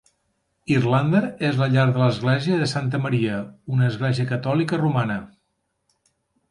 Irlanda és la llar de l'església de Santa Maria, una església catòlica romana.